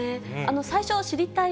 最初、知りたいッ！